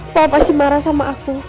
papa pasti marah sama aku